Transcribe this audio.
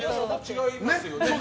違いますよね。